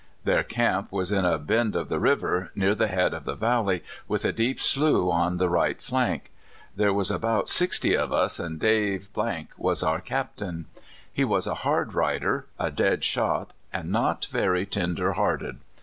Their camp was in a bend of the river, near the head of the valley, with a deep slough on the right flank. There was about sixty of us, an' Dave was our captain. He was a hard rider, a dead shot, an' not very tender hearted.